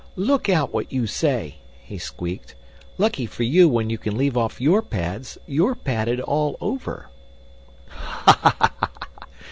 "Look out what you say!" he squeaked. "Lucky for you when you can leave off YOUR pads you're padded all over!" "Ha! ha!"